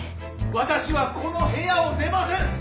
私はこの部屋を出ません！